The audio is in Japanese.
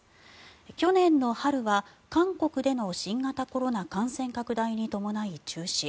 去年の春は韓国での新型コロナ感染拡大に伴い中止。